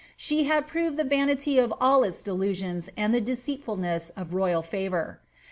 She had proved the vanity of all its delusions and the iWitfulness of royal favour.